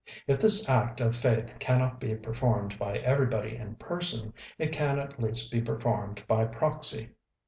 If this act of faith cannot be performed by everybody in person, it can at least be performed by proxy.